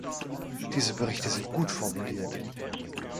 Diese Berichte sind gut formuliert.